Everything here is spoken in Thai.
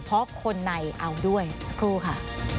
เพราะคนในเอาด้วยสักครู่ค่ะ